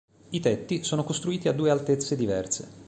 I tetti sono costruiti a due altezze diverse.